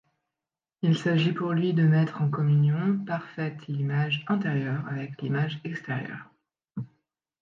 Il s’agit pour lui de mettre en communion parfaite l’image intérieure avec l’image extérieure.